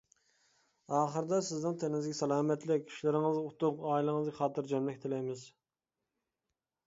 ئاخىرىدا سىزنىڭ تېنىڭىزگە سالامەتلىك، ئىشلىرىڭىزغا ئۇتۇق، ئائىلىڭىزگە خاتىرجەملىك تىلەيمىز!